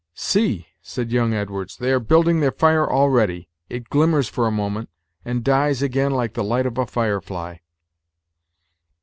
"See!" said young Edwards, "they are building their fire already; it glimmers for a moment, and dies again like the light of a firefly."